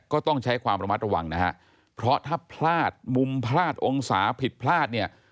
ก็ต้องใช้ความระมัดระวังนะฮะเพราะถ้าพลาดมุมพลาดองศาผิดพลาดเนี่ย